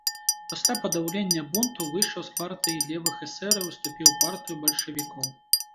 Пасля падаўлення бунту выйшаў з партыі левых эсэраў і ўступіў у партыю бальшавікоў.